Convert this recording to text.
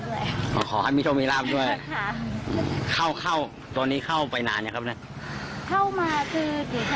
วาลังคาลก็น่าจะยังอยู่ในรถแล้วแล้วก็ส่วนวันพุธตอนเช้าหนึ่งมาเจอตอนไปถึงที่ทำงานแล้วค่ะ